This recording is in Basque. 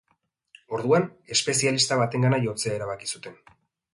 Orduan, espezialista batengana jotzea erabaki zuten.